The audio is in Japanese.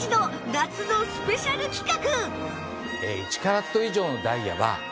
夏のスペシャル企画